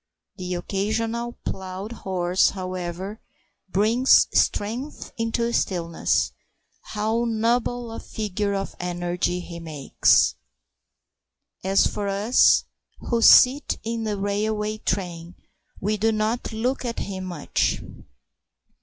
The occasional plough horse, however, brings strength into the stillness. How noble a figure of energy he makes! As for us who sit in the railway train, we do not look at him much.